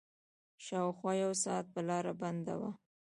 شاوخوا يو ساعت به لاره بنده وه.